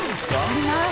「あります」